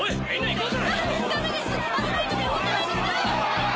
どうだ？